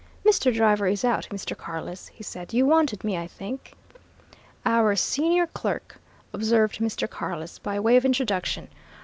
"Mr. Driver is out, Mr. Carless," he said. "You wanted me, I think?" "Our senior clerk," observed Mr. Carless, by way of introduction.